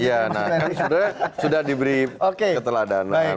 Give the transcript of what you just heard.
ya nah kan sudah diberi keteladanan